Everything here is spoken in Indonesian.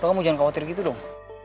lo kan mau jangan khawatir gitu dong